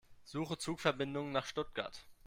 Suche Zugverbindungen nach Stuttgart.